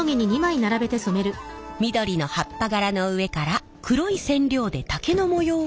緑の葉っぱ柄の上から黒い染料で竹の模様を染め上げます。